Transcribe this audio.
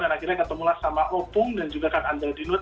dan akhirnya ketemulah sama opung dan juga kak andra dinut